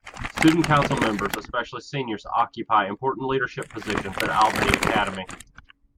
Student Council members, especially seniors, occupy important leadership positions at Albany Academy.